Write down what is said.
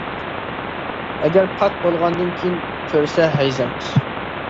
ئەگەر پاك بولغاندىن كېيىن كۆرسە ھەيز ئەمەس.